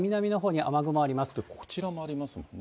ただ、こちらもありますもんね。